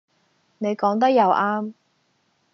你講得又啱